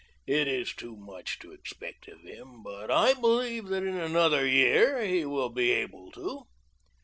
"It is too much to expect of him, but I believe that in another year he will be able to."